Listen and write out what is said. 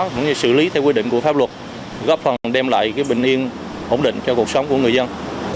cũng như xử lý theo quy định của pháp luật góp phần đem lại bình yên ổn định cho cuộc sống của người dân